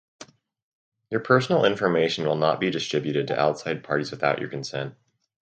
Your personal information will not be distributed to outside parties without your consent.